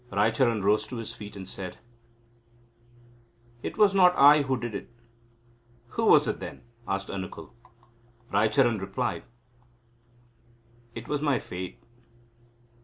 Raicharan rose to his feet and said: "It was not I who did it." "Who was it then?" asked Anukul. Raicharan replied: "It was my fate."